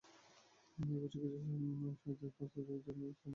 এই বৎসরও কিছু সাহায্যের প্রস্তাবের জন্য আমার অসংখ্য ধন্যবাদ জানবেন।